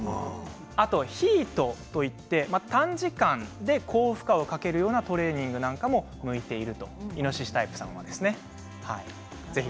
あとＨＩＩＴといって短時間で高負荷をかけるようなトレーニングなんかも向いているとイノシシタイプさんはですね。